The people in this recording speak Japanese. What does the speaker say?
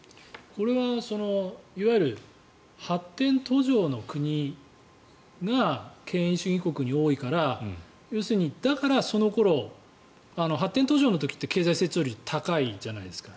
これは、発展途上の国が権威主義国に多いからだからその頃、発展途上の時って経済成長率が高いじゃないですか。